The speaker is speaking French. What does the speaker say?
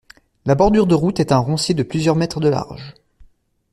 La bordure de route est un roncier de plusieurs mètres de large.